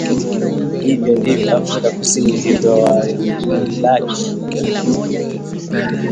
Hivyo ndivyo Afrika Kusini ilivyowalaki